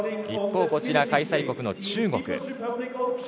一方こちらは開催国の中国。